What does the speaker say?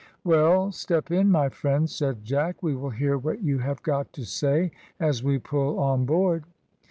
"Well, step in, my friend," said Jack. "We will hear what you have got to say as we pull on board."